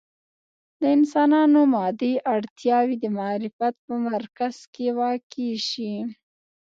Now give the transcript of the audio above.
د انسانانو مادي اړتیاوې د معرفت په مرکز کې واقع شي.